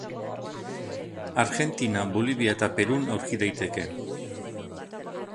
Argentina, Bolivia eta Perun aurki daiteke.